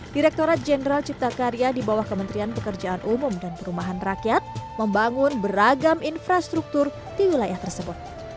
direkturat jenderal cipta karya di bawah kementerian pekerjaan umum dan perumahan rakyat membangun beragam infrastruktur di wilayah tersebut